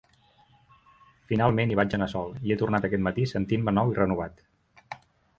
Finalment hi vaig anar sol i he tornat aquest matí sentint-me nou i renovat.